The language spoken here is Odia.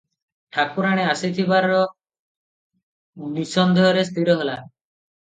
ଠାକୁରାଣୀ ଆସିଥିବାର ନିଃସନ୍ଦେହରେ ସ୍ଥିର ହେଲା ।